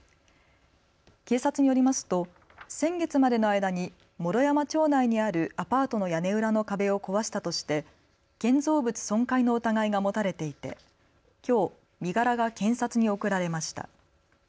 警察によりますと先月までの間に毛呂山町内にあるアパートの屋根裏の壁を壊したとして建造物損壊の疑いが持たれていてきょう身柄が検察に送られました。